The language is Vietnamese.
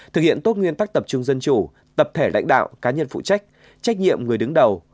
thực hiện tốt nguyên tắc tập trung dân chủ tập thể lãnh đạo cá nhân phụ trách trách nhiệm người đứng đầu